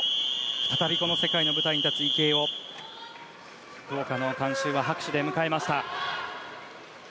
再びこの世界の舞台に立つ池江を福岡の観衆は拍手で迎えました。